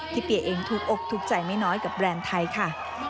เปียเองถูกอกถูกใจไม่น้อยกับแบรนด์ไทยค่ะ